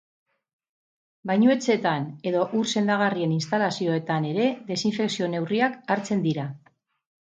Bainuetxeetan edo ur sendagarrien instalazioetan ere desinfekzio-neurriak hartzen dira.